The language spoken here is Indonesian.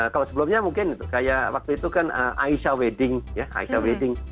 kalau sebelumnya mungkin kayak waktu itu kan aisyah wedding